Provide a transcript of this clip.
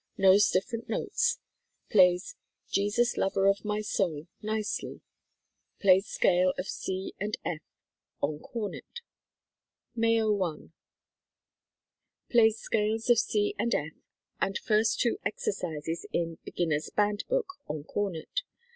Knows different notes. Plays "Jesus, Lover of my Soul" nicely. Plays scale of C and F on cornet. May, '01. Plays scales of C and F and first two exercises in "Beginners' Band Book" on cornet.